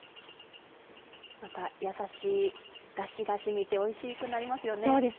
またやさしいダシが染みておいしくなりますよね。